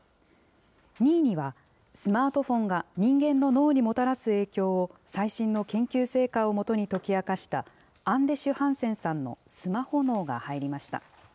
２位には、スマートフォンが人間の脳にもたらす影響を最新の研究成果をもとに解き明かしたアンデシュ・ハンセンさんのスマホ脳が入りました。